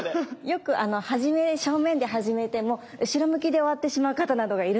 よく初め正面で始めても後ろ向きで終わってしまう方などがいるので。